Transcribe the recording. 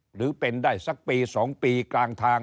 หรือเป็นได้สักปี๒ปีกลางทาง